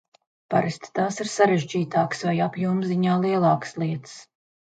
Parasti tās ir sarežģītākas vai apjoma ziņā lielākas lietas.